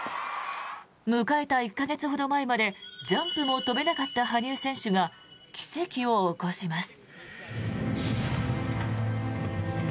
迎えた１か月ほど前までジャンプも跳べなかった羽生選手が奇跡を起こします。